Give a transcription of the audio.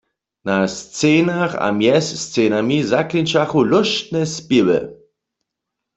Na scenach a mjez scenami zaklinčachu lóštne spěwy.